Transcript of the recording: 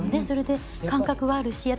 それで、感覚はあるし。